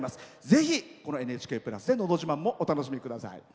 ぜひ「ＮＨＫプラス」で「ＮＨＫのど自慢」もお楽しみください。